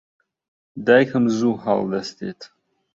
دایکم زوو هەڵدەستێت.